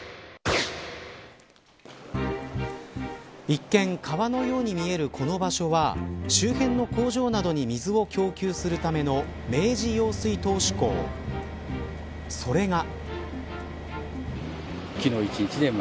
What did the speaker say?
一見、川のように見えるこの場所は周辺の工場などに水を供給するための明治用水頭首工それが。